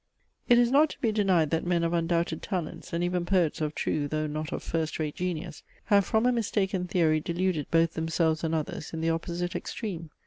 It is not to be denied that men of undoubted talents, and even poets of true, though not of first rate, genius, have from a mistaken theory deluded both themselves and others in the opposite extreme.